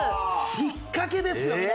引っかけですよ皆さん。